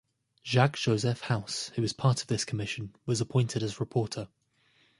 Jacques-Joseph Haus, who was part of this commission, was appointed as reporter.